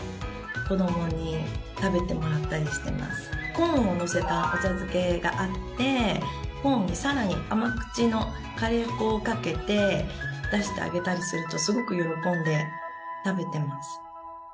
コーンを乗せたお茶漬けがあってコーンに更に甘口のカレー粉をかけて出してあげたりするとすごく喜んで食べてます。